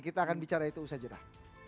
kita akan bicara itu usaha jerah